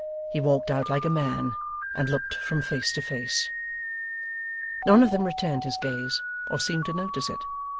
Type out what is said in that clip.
He walked out like a man, and looked from face to face. None of them returned his gaze or seemed to notice it.